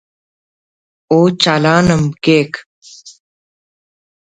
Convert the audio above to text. او چالان ہم کیک